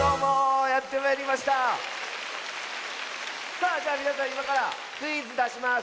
さあじゃあみなさんいまからクイズだします。